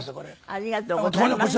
ありがとうございます。